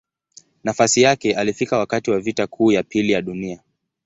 Nafasi yake alifika wakati wa Vita Kuu ya Pili ya Dunia.